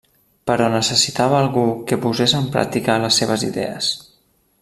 Però necessitava algú que posés en pràctica les seves idees.